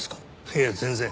いや全然。